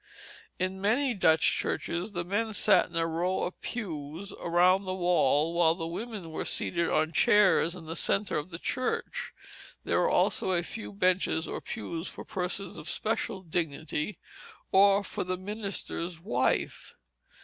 In many Dutch churches the men sat in a row of pews around the wall while the women were seated on chairs in the centre of the church. There were also a few benches or pews for persons of special dignity, or for the minister's wife.